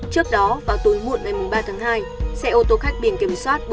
trước đó vào tối muộn ngày ba tháng hai xe ô tô khách biển kiểm soát bốn mươi bảy b năm trăm hai mươi chín